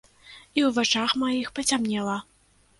І ў вачах маіх пацямнела.